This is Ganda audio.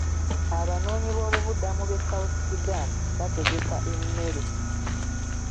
Abanoonyiboobubudamu b'e South Sudan baategeka emmere.